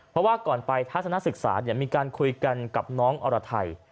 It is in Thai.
เพราะว่าก่อนไปทัศนศึกษามีการคุยกันกับน้องอรไทย